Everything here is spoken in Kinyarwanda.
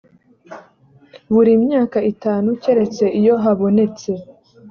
buri myaka itanu keretse iyo habonetse